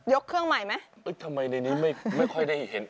เครื่องใหม่ไหมทำไมในนี้ไม่ค่อยได้เห็น